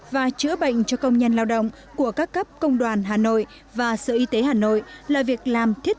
và chữa bệnh cho công nhân lao động của các cấp công đoàn hà nội và sở y tế hà nội là việc làm thiết